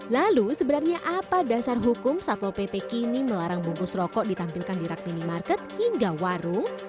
lalu sebenarnya apa dasar hukum satpol pp kini melarang bungkus rokok ditampilkan di rak minimarket hingga warung